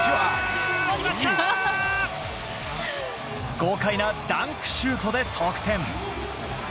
豪快なダンクシュートで得点。